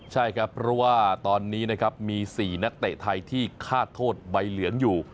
ใช่ครับเพราะว่าตอนนี้นะครับมี๔นักเตะไทยที่ฆ่าโทษใบเหลืองอยู่